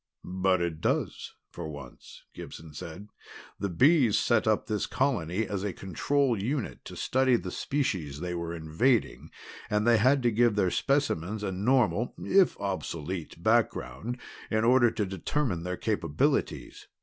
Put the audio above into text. "But it does, for once," Gibson said. "The Bees set up this colony as a control unit to study the species they were invading, and they had to give their specimens a normal if obsolete background in order to determine their capabilities.